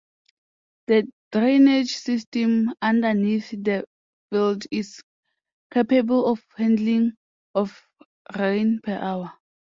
The drainage system underneath the field is capable of handling of rain per hour.